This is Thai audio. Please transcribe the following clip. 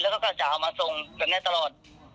แล้วก็กระจายเอามาส่งแบบแน่ตลอด